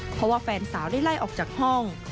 เพราะว่าแฟนสาวได้ไล่ออกจากห้อง